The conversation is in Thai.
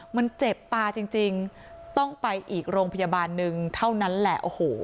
มันเจ็บตาจริงต้องไปอีกโรงพยาบาลหนึ่งเท่านั้นแหละโอ้โห